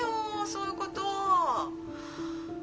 そういうこと。